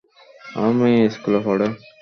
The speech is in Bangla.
আমার মেয়ে এই স্কুলে পড়ে।